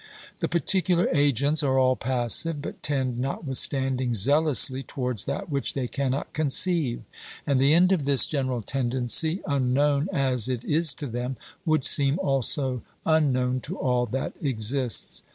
The particular agents are all passive, but tend notwithstanding zealously towards that which they cannot conceive, and the end of this OBERMANN 361 general tendency, unknown as it is to them, would seem also unknown to all that exists.